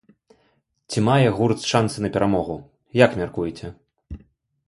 Ці мае гурт шанцы на перамогу, як мяркуеце?